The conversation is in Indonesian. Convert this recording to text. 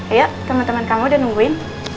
iya teman teman kamu udah nungguin